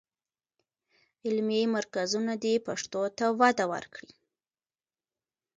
علمي مرکزونه دې پښتو ته وده ورکړي.